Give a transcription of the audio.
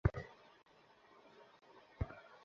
ও আমাদেরকে ডুবিয়ে দিলো।